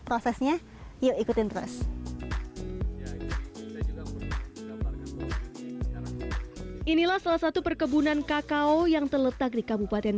prosesnya yuk ikutin terus inilah salah satu perkebunan kakao yang terletak di kabupaten